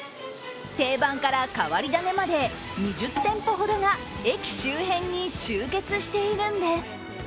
定番から変わり種まで２０店舗ほどが駅周辺に集結しているんです。